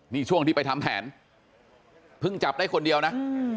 นี่ช่วงที่ไปทำแผนเพิ่งจับได้คนเดียวนะ